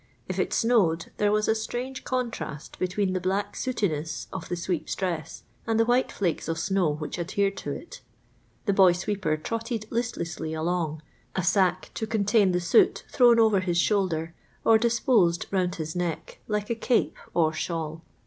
If it snowcjl, there was a strange contrast between the black sootincss of the sweeper's dress and the white flakes of snow which adhered to it. The boy sweeper trotted listlessly along; a sack to contain the soot thrown over his shoulder, or disposed round his neck, like n cape or shawl.